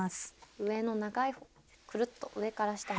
上の長い方くるっと上から下へ。